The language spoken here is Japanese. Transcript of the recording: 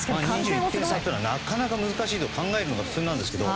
２１点差というのはなかなか難しいと考えるのが普通なんですが。